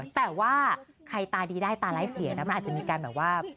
แต่ว่าใครตาดีได้ตาร้ายเสียนะมันอาจจะมีการแบบว่า